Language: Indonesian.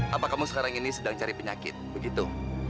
apa kamu sekarang ini sedang cari penyakit begitu